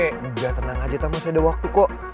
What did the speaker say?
enggak tenang aja ta masih ada waktu kok